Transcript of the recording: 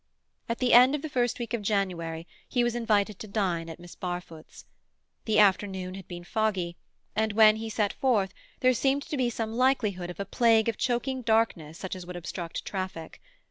At the end of the first week of January he was invited to dine at Miss Barfoot's. The afternoon had been foggy, and when he set forth there seemed to be some likelihood of a plague of choking darkness such as would obstruct traffic.